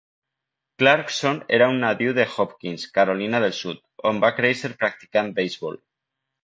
Clarkson era un nadiu de Hopkins, Carolina del Sud, on va créixer practicant beisbol.